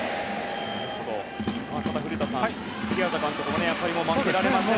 ただ、古田さんピアザ監督も負けられませんので。